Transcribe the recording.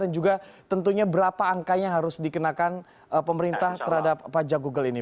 dan juga tentunya berapa angkanya harus dikenakan pemerintah terhadap pajak google ini